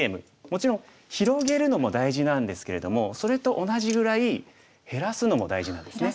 もちろん広げるのも大事なんですけれどもそれと同じぐらい減らすのも大事なんですね。